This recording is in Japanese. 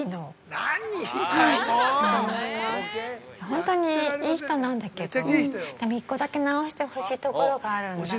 ◆ほんとに、いい人なんだけどでも、１個だけ直してほしいところがあるんだ。